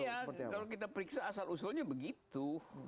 iya kalau kita periksa asal usulnya begitu